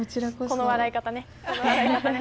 この笑い方ね。